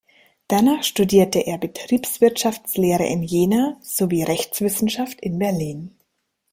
Danach studierte er Betriebswirtschaftslehre in Jena sowie Rechtswissenschaft in Berlin.